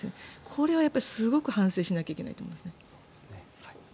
これはやっぱりすごく反省しなきゃいけないと思います。